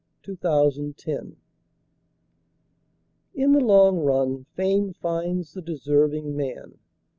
IN THE LONG RUN In the long run fame finds the deserving man.